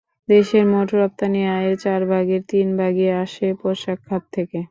দেশের মোট রপ্তানি আয়ের চার ভাগের তিন ভাগই আসে পোশাক খাত থেকে।